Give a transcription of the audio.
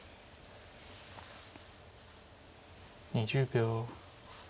２０秒。